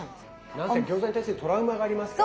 なんせ餃子に対するトラウマがありますから。